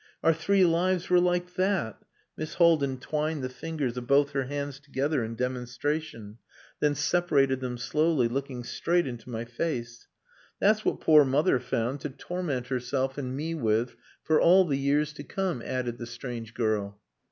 "Our three lives were like that!" Miss Haldin twined the fingers of both her hands together in demonstration, then separated them slowly, looking straight into my face. "That's what poor mother found to torment herself and me with, for all the years to come," added the strange girl.